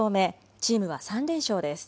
チームは３連勝です。